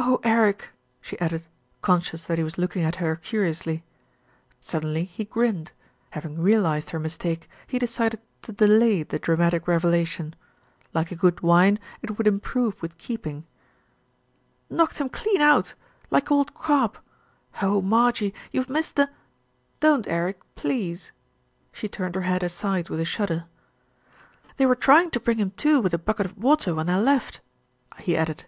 Oh, Eric!" she added, conscious that he was looking at her curiously. Suddenly he grinned. Having realised her mistake, he decided to delay the dramatic revelation. Like a good wine, it would improve with keeping. "Knocked him clean out. Like old Carp. Oh ! Mar jie, you've missed the " "Don't, Eric, please !" She turned her head aside with a shudder. "They were trying to bring him to with a bucket of water when I left," he added.